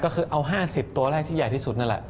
ก็คือเอา๕๐ตัวแรกที่ใหญ่ที่สุดนั่นแหละ